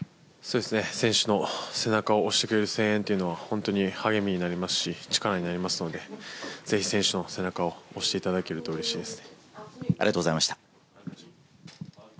選手の背中を押してくれる声援は本当に励みになりますし、力になりますので、ぜひ選手の背中を押していただけるとうれしいです。